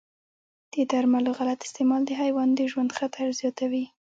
د درملو غلط استعمال د حیوان د ژوند خطر زیاتوي.